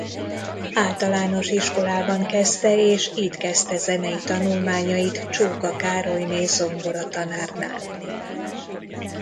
Általános Iskolában kezdte és itt kezdte zenei tanulmányait Csóka Károlyné zongoratanárnál.